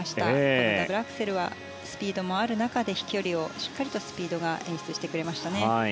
このダブルアクセルはスピードもある中で飛距離をしっかりとスピードが演出してくれましたね。